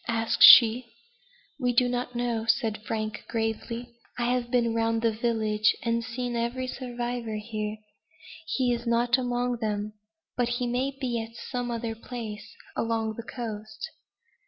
asked she. "We do not know," said Frank, gravely. "I have been round the village, and seen every survivor here; he is not among them, but he may be at some other place along the coast."